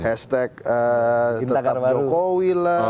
hashtag tetap jokowi lah